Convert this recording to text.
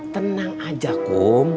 tenang aja kum